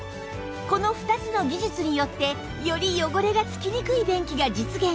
この２つの技術によってより汚れが付きにくい便器が実現